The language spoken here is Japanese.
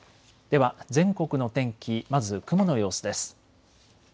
では全国の天気、まず雲の様子です。